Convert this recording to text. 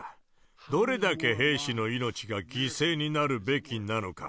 どれだけ兵士の命が犠牲になるべきなのか。